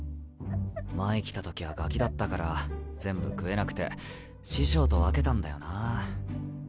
前来た時はガキだったから全部食えなくて師匠と分けたんだよな。